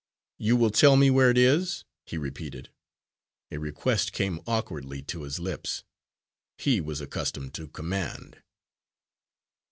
"You will tell me where it is?" he repeated. A request came awkwardly to his lips; he was accustomed to command.